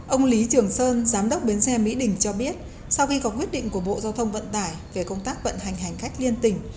ông lý trường sơn giám đốc bến xe mỹ đình cho biết sau khi có quyết định của bộ giao thông vận tải về công tác vận hành hành khách liên tỉnh